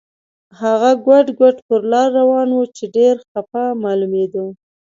هغه ګوډ ګوډ پر لار روان و چې ډېر خپه معلومېده.